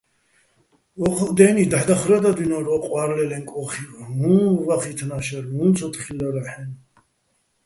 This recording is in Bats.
ო́ჴუჸ დე́ნი დაჰ̦ დახვრე́ტადვინორ ო ყვა́რლერეჼ კოხივ, უ̂ჼ ვახითნა შარნ, უ̂ჼ ცო თხილლარა́ჰ̦-აჲნო̆.